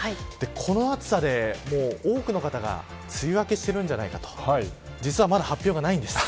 この暑さで多くの方が梅雨明けしているんじゃないかと実はまだ発表がないんです。